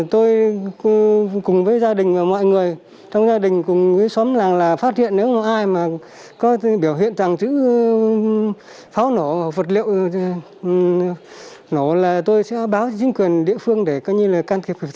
tôi cùng với gia đình và mọi người trong gia đình cùng với xóm